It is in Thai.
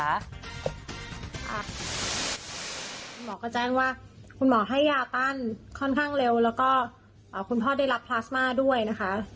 หมอก็แจ้งว่าคุณหมอให้ยาตั้นค่อนข้างเร็วแล้วก็คุณพ่อได้รับพลาสมาด้วยนะคะ